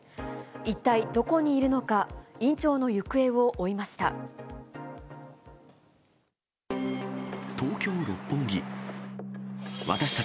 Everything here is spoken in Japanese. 一体、どこにいるのか、院長の行方を追いました。